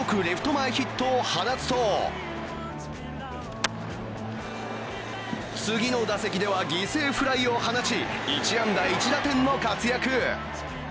前ヒットを放つと次の打席では犠牲フライを放ち、１安打１打点の活躍。